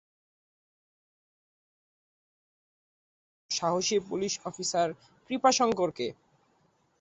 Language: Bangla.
মন্ত্রী ও পুলিশ কমিশনার তদন্তের দায়িত্ব দেন সৎ ও সাহসী পুলিশ অফিসার কৃপাশঙ্করকে।